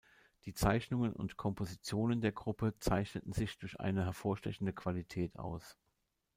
Die Zeichnungen und Kompositionen der Gruppe zeichneten sich durch eine hervorstechende Qualität aus.